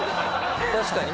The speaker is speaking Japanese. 確かに。